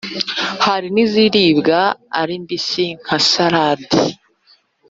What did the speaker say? hari n’iziribwa ari mbisi nka sarade.